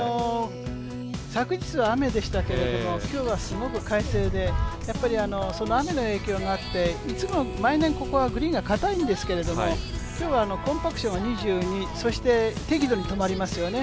昨日は雨でしたけれども、今日はすごく快晴でやっぱり、雨の影響もあって毎年、ここはグリーンがかたいんですけれども今日はコンパクションは２２、適度に止まりますよね。